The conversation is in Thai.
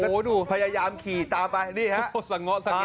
โอ้โหดูพยายามขี่ตามไปนี่ฮะโอ้สังเกตสังเกตแล้ว